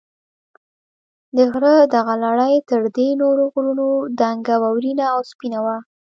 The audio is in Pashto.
د غره دغه لړۍ تر دې نورو غرونو دنګه، واورینه او سپینه وه.